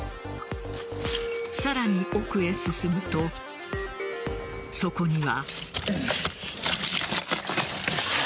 さらに奥へ進むとそこには。